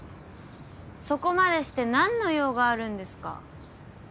そこまでしてなんの用があるんですか？